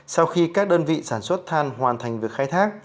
sau khi các đơn vị sản xuất than hoàn thành việc khai thác